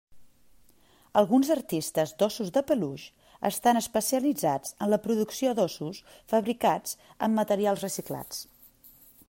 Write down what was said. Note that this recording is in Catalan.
Alguns artistes d'ossos de peluix estan especialitzats en la producció d'ossos fabricats amb materials reciclats.